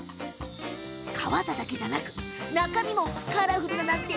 皮だけじゃなく中身もカラフルだなんて